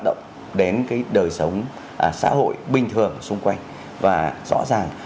động đến cái đời sống xã hội bình thường xung quanh và rõ ràng